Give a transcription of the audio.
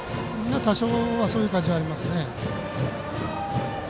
多少はそういう感じがありますね。